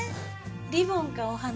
リボンかお花か。